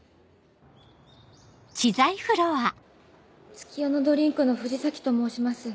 月夜野ドリンクの藤崎と申します。